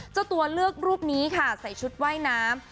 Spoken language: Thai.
เจ้าตัวเลือกรูปนี้ค่ะใส่ชุดว่ายน้ำ